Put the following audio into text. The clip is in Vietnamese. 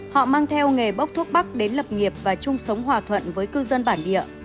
họ mang theo nghề bốc thuốc bắc đến lập nghiệp và chung sống hòa thuận với cư dân bản địa